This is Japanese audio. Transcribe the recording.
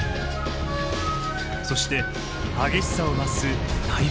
そして激しさを増す台風。